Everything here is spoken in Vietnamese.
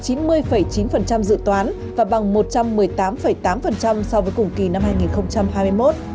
thu nội địa đạt một bốn mươi hai tám trăm bảy mươi một tỷ đồng bằng một trăm một mươi chín chín so với cùng kỳ năm hai nghìn hai mươi một